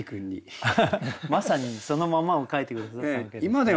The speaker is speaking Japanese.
まさにそのままを描いて下さったわけですね。